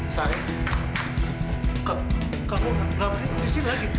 sari kamu ngapain disini lagi